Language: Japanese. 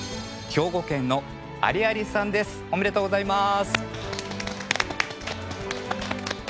題詠おめでとうございます。